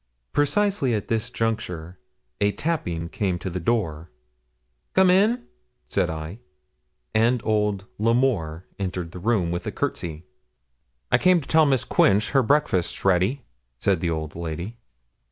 Precisely at this juncture a tapping came to the door. 'Come in,' said I. And old L'Amour entered the room, with a courtesy. 'I came to tell Miss Quince her breakfast's ready,' said the old lady.